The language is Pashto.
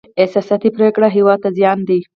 احساساتي پرېکړې هېواد ته زیان دی.